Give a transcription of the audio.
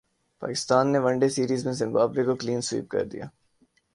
پاکستان نے one day series میں Zimbabwe کو کلین سوئپ کردیا